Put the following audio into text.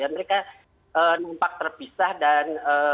mereka numpak terpisah dan